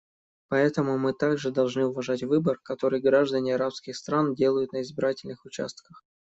Поэтому мы также должны уважать выбор, который граждане арабских стран делают на избирательных участках.